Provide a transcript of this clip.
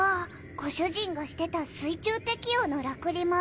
ご主人がしてた水中適応の星水晶。